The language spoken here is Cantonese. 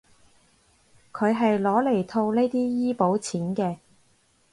佢係攞嚟套呢啲醫保錢嘅